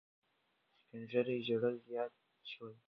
سپین ږیري ژړل زیات شول.